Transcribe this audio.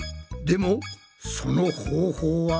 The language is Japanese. でもその方法は？